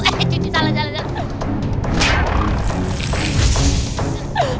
eh cucu salah salah